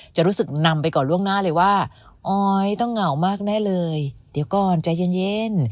จะรู้สึกนำไปก่อนล่วงหน้าเลยว่าออยต้องเหงามากแน่เลยเดี๋ยวก่อนใจเย็น